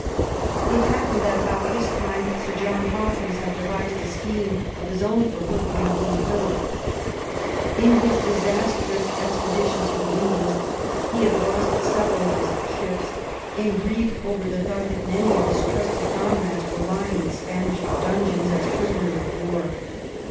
It happened that, about this time. Sir John Haw kins had devised a scheme of his own for hoodwinking Philip, In his disastrous expedition to the Indies he had lost several of his ships, and grieved over the thought that many of his trusty comrades were lying in Spanish dungeons as prisoners of war.